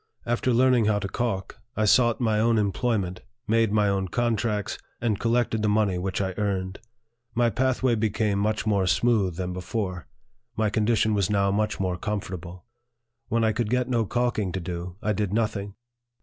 After learning how to calk, I sought my own employment, made my own contracts, and collected the money which I earned. My pathway became much more smooth LIFE OF FREDERICK DOUGLASS. 99 than before ; my condition was now much more com fortable. When I could get no calking to do, I did nothing.